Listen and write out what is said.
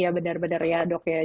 ya benar benar ya dok ya